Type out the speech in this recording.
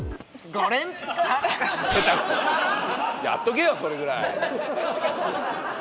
やっとけよそれぐらい！